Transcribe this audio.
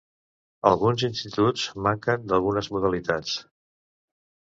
Alguns instituts manquen d'algunes modalitats.